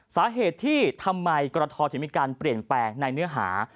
สาเหตุที่ทำไมกรทถึงมีการเปลี่ยนแปลงในเนื้อหา